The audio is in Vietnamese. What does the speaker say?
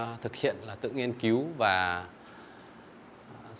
và sau đó tôi thực hiện là tự nghiên cứu và tìm hiểu về các bể bán cạn này